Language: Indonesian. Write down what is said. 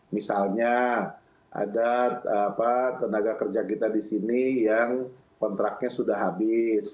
misalnya ada tenaga kerja kita di sini yang kontraknya sudah habis